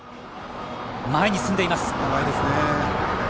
前に進んでいます。